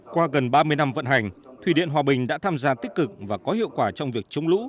qua gần ba mươi năm vận hành thủy điện hòa bình đã tham gia tích cực và có hiệu quả trong việc chống lũ